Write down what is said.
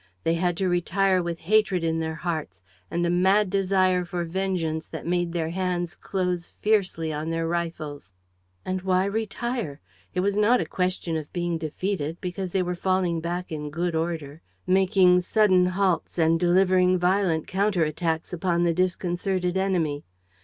They had to retire with hatred in their hearts and a mad desire for vengeance that made their hands close fiercely on their rifles. And why retire? It was not a question of being defeated, because they were falling back in good order, making sudden halts and delivering violent counter attacks upon the disconcerted enemy.